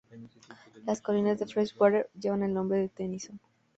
Las colinas de Freshwater llevan el nombre de Tennyson.